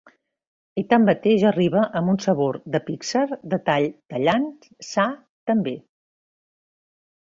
I tanmateix arriba amb un sabor de Pixar de tall tallant sa també.